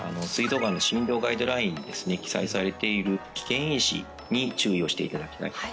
すい臓がんの診療ガイドラインにですね記載されている危険因子に注意をしていただきたい